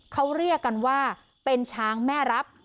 เขาเรียกกันว่าเป็นช้างแม่รับ